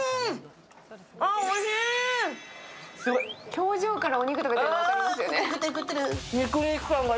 表情からお肉食べているのが分かりますよね。